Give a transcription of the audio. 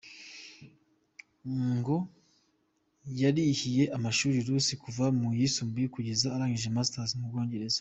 Ngo yarihiye amashuri Ruth kuva mu yisumbuye kugeza arangije Masters mu Bwongereza.